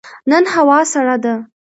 نن هوا سړه ده.